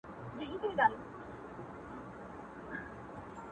نوره گډا مه كوه مړ به مي كړې ـ